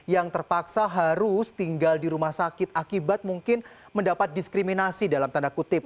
yang terpaksa harus tinggal di rumah sakit akibat mungkin mendapat diskriminasi dalam tanda kutip